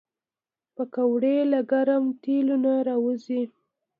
پکورې له ګرم تیلو نه راوځي